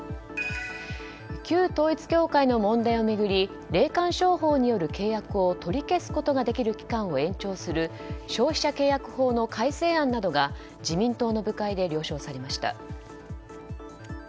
旧統一教会の問題を巡り霊感商法による契約を取り消すことができる期間を延長する消費者契約法の改正案などが自民党の部会で了承されました。